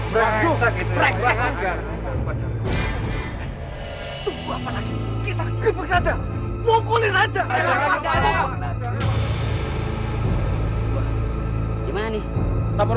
berarti gak sakwar